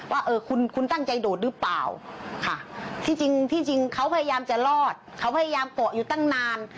ว่าคุณตั้งใจโดดหรือเปล่าที่จริงเขาพยายามจะรอดเขาพยายามเกาะอยู่ตั้งนาน